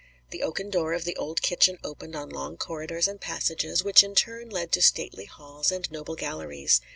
The oaken door of the old kitchen opened on long corridors and passages, which in turn led to stately halls and noble galleries.